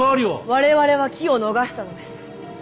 我々は機を逃したのです。